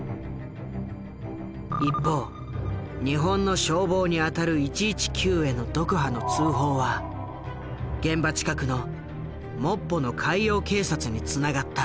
一方日本の消防にあたる１１９へのドクハの通報は現場近くのモッポの海洋警察につながった。